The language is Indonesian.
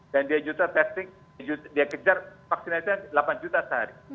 dan dia kejar vaksinasi delapan juta sehari